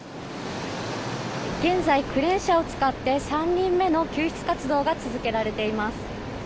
現在、クレーン車を使って３人目の救出活動が続けられています。